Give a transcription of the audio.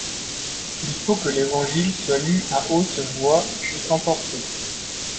Il faut que l'Évangile soit lu à haut voix, puis emporté.